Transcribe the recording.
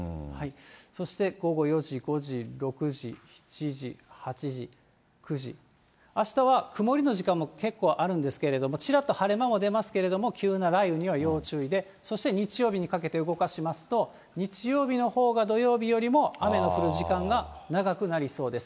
そして午後４時、５時、６時、７時、８時、９時、あしたは曇りの時間も結構あるんですけれども、ちらっと晴れ間も出ますけれども、急な雷雨には要注意で、そして日曜日にかけて動かしますと、日曜日のほうが土曜日よりも雨の降る時間が長くなりそうです。